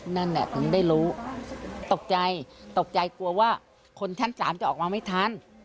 นั่นแหละถึงได้รู้ตกใจตกใจกลัวว่าคนชั้น๓จะออกมาไม่ทัน